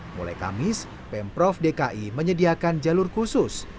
mulai kamis pemprov dki menyediakan jalur khusus